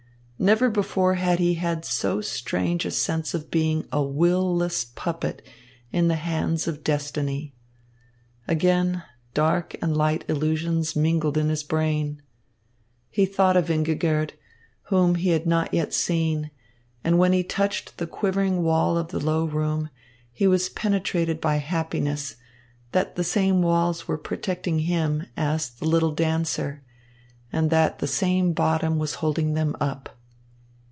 Never before had he had so strange a sense of being a will less puppet in the hands of destiny. Again dark and light illusions mingled in his brain. He thought of Ingigerd, whom he had not yet seen; and when he touched the quivering wall of the low room, he was penetrated by happiness, that the same walls were protecting him as the little dancer and that the same bottom was holding them up.